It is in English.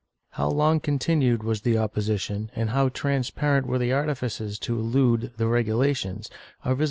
^ How long continued was the opposition, and how transparent were the artifices to elude the regulations, are visi!)